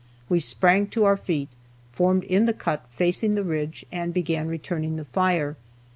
We sprang to our feet, formed in the cut facing the ridge, and began returning the fire.